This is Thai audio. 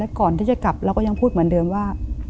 ก่อนที่จะกลับเราก็ยังพูดเหมือนเดิมว่า